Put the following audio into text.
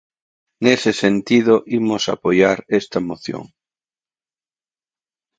Nese sentido, imos apoiar esta moción.